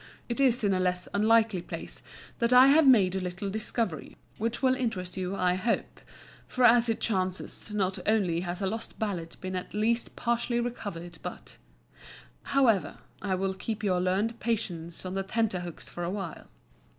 It is in a less unlikely place that I have made a little discovery which will interest you, I hope; for as it chances, not only has a lost ballad been at least partially recovered, but ... however, I will keep your learned patience on the tenterhooks for a while.